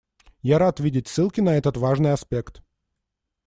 Я рад видеть ссылки на этот важный аспект.